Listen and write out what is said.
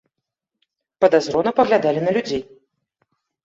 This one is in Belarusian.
Падазрона паглядалі на людзей.